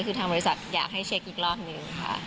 คือทางบริษัทอยากให้เช็คอีกรอบหนึ่งค่ะ